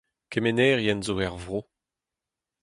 Kemenerien zo er vro.